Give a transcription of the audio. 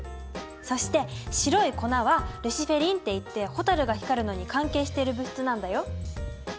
そして白い粉はルシフェリンっていってホタルが光るのに関係している物質なんだよ。